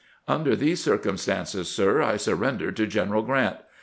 Under these circumstances, sir, I surren dered to General Grant.